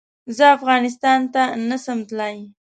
زه افغانستان ته نه سم تلی